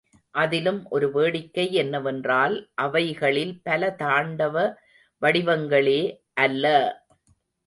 அதிலும் ஒரு வேடிக்கை என்னவென்றால் அவைகளில் பல தாண்டவ வடிவங்களே அல்ல!